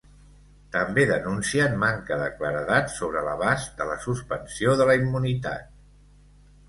També denuncien manca de claredat sobre l’abast de la suspensió de la immunitat.